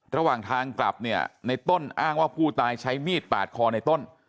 ระหว่างทางกลับเนี่ยในต้นอ้างว่าผู้ตายใช้มีดปาดคอในต้น